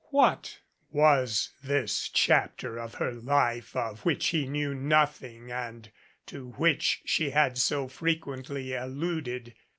What was this chapter of her life of which he knew nothing and to which she had so frequently alluded?